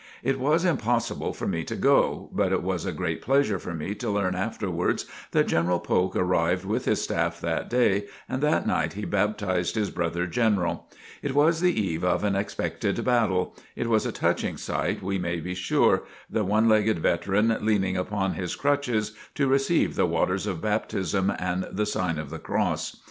It was impossible for me to go, but it was a great pleasure for me to learn afterwards that General Polk arrived with his staff that day and that night he baptized his brother General. It was the eve of an expected battle. It was a touching sight, we may be sure, the one legged veteran, leaning upon his crutches to receive the waters of baptism and the sign of the cross.